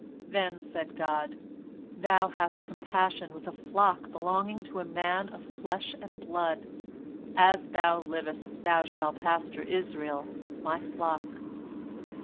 Then said God: "Thou hast compassion with a flock belonging to a man of flesh and blood! As thou livest, thou shalt pasture Israel, My flock."